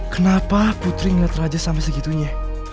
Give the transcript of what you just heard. kenapa putri melihat raja sampai segitunya